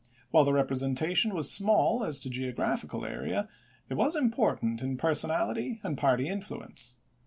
While the rep resentation was small as to geographical area, it was important in personal and party influence.